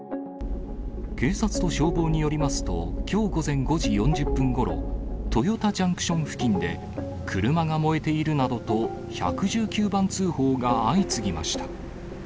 警察と消防によりますと、きょう午前５時４０分ごろ、豊田ジャンクション付近で、車が燃えているなどと１１９番通報が相次ぎました。